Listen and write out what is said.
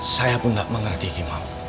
saya pun tidak mengerti gimana